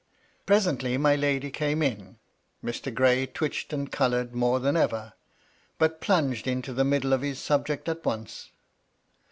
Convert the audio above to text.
Presently my lady came in. Mr. Gray twitched and coloured more than ever; but plunged into the middle of his subject at once.